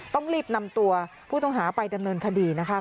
ต้องรีบนำตัวผู้ต้องหาไปดำเนินคดีนะคะ